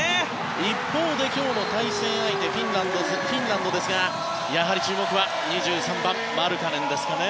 一方、今日の対戦相手はフィンランドですが注目は２３番のマルカネンです。